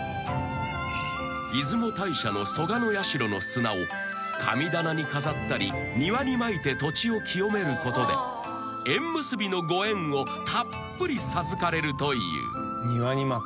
［出雲大社の素鵞社の砂を神棚に飾ったり庭にまいて土地を清めることで縁結びのご縁をたっぷり授かれるという］